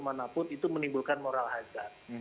manapun itu menimbulkan moral hazard